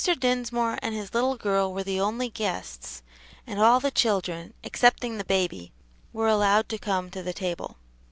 Dinsmore and his little girl were the only guests, and all the children, excepting the baby, were allowed to come to the table.